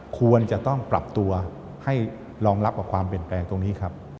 ควรจะต้องปรับตัวให้รองรับกับความเปลี่ยนแปลงตรงนี้ครับ